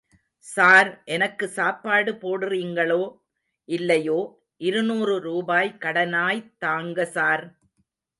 Sir எனக்கு சாப்பாடு போடுறிங்களோ, இல்லையோ இருநூறு ரூபாய் கடனாய் தாங்க ஸார்.